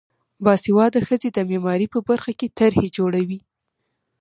باسواده ښځې د معماری په برخه کې طرحې جوړوي.